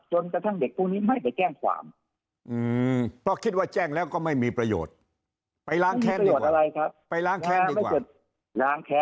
จนกระทั่งเด็กพวกนี้ไม่ไปแจ้งความเพราะคิดว่าแจ้งแล้วก็ไม่มีประโยชน์ไปล้างแค้น